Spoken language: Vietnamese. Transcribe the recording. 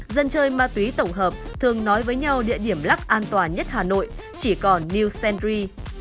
dân chơi ma túy tổng hợp thường nói với nhau địa điểm lắc an toàn nhất hà nội chỉ còn new sengri